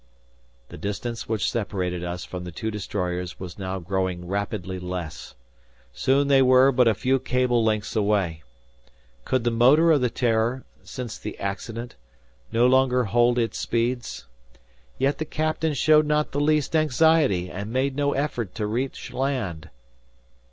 The distance which separated us from the two destroyers was now growing rapidly less. Soon they were but a few cable lengths away. Could the motor of the "Terror," since the accident, no longer hold its speeds? Yet the captain showed not the least anxiety, and made no effort to reach land!